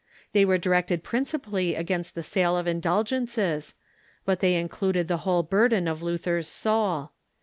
They were directed principally against the sale of indulgences, but they included the whole burden of Luther's soul.